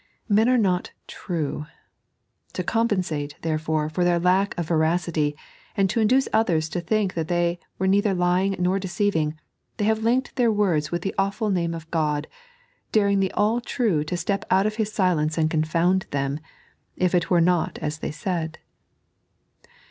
Men are not true. To compensate, therefore, for their lack of veracity, and to induce others to think that they were neither lying nor deceiving, they have linked their words with the awful name of God, daring the AU True to step out of His silence and confound them, if it were not as they said.